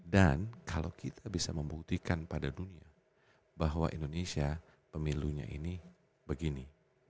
dan kalau kita bisa membuktikan pada dunia bahwa indonesia pemilunya ini begini